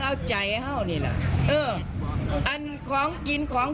แล้วก็บอกว่าอยากจะมาให้กำลังใจคุณทักศิลป์ด้วย